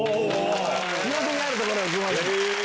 記憶あるところがすごい。